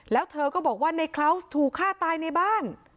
แล้วเธอก็บอกว่าในคลาวส์ถูกฆ่าตายในบ้าน